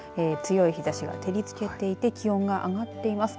強い日ざしが照りつけていて気温が上がっています。